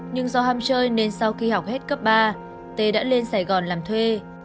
nhưng do ham chơi nên sau khi học hết cấp ba t đã lên sài gòn làm thuê